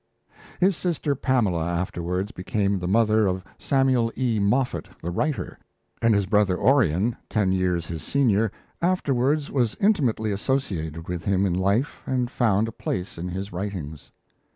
His sister Pamela afterwards became the mother of Samuel E. Moffett, the writer; and his brother Orion, ten years his senior, afterwards was intimately associated with him in life and found a place in his writings.